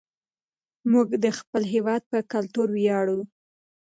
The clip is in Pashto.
موږ د خپل هېواد په کلتور ویاړو.